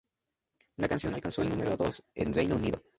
La canción alcanzó el número dos en Reino Unido.